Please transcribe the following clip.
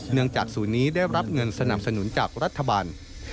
จากศูนย์นี้ได้รับเงินสนับสนุนจากรัฐบาล